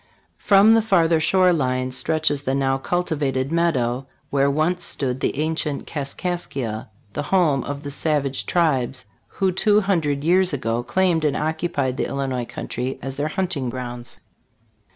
From the farther shore line stretches the now cultivated meadow, where once stood the ancient Kaskaskia, the home of the savage tribes who two hundred years ago claimed and occupied the Illinois country as their hunt ing grounds.